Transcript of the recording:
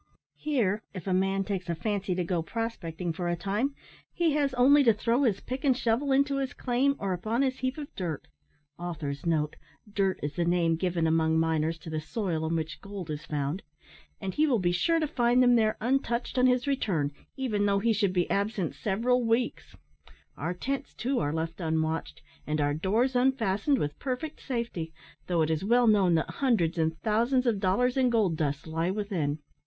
Here, if a man takes a fancy to go prospecting for a time, he has only to throw his pick and shovel into his claim, or upon his heap of dirt, [see note 1] and he will be sure to find them there untouched on his return, even though he should be absent several weeks. Our tents, too, are left unwatched, and our doors unfastened, with perfect safety, though it is well known that hundreds and thousands of dollars in gold dust lie within.